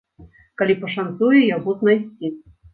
Калі пашанцуе яго знайсці.